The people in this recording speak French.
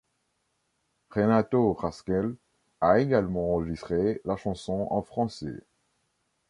Renato Rascel a également enregistrée la chanson en français.